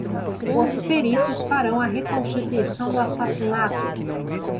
Os peritos farão a reconstituição do assassinato.